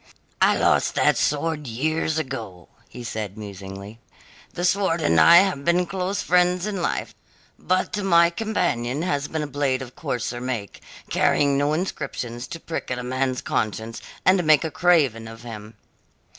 "I lost that sword years ago," said he musingly. "The sword and I have been close friends in life, but my companion has been a blade of coarser make, carrying no inscriptions to prick at a man's conscience and make a craven of him."